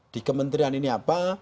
di kementerian ini apa